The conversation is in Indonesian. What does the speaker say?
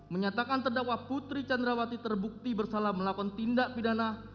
menyatakan terdakwa putri candrawati terbukti bersalah melakukan tindak pidana